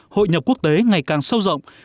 hội nhập quốc tế ngày càng sâu rộng